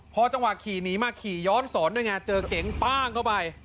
พอจังหวะขี่หนีมาขี่ย้อนสอนด้วยไงเจอเก๋งป้างเข้าไป